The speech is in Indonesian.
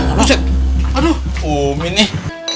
aduh siap aduh umin nih